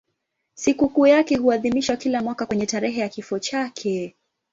Sikukuu yake huadhimishwa kila mwaka kwenye tarehe ya kifo chake.